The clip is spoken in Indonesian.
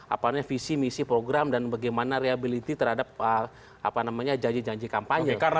apa namanya visi misi program dan bagaimana reability terhadap janji janji kampanye